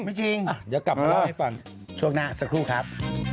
ไม่จริงจะกลับพอเล่าให้ฟังชวนหน้าสักครู่ครับ